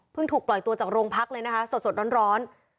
ถูกปล่อยตัวจากโรงพักเลยนะคะสดร้อน